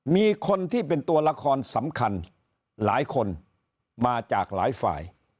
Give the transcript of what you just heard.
มีคนที่เป็นตัวละครสำคัญหลายคนมาจากหลายฝ่าย